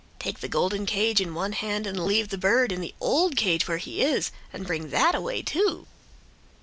Take the golden cage in one hand and leave the bird in the old cage where he is, and bring that away too."